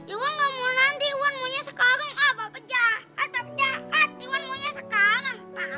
iwan gak mau nanti iwan maunya sekarang pak pejahat pejahat iwan maunya sekarang